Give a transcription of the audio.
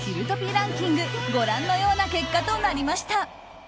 ランキングご覧のような結果となりました。